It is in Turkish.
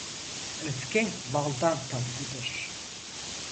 Öfke baldan tatlıdır.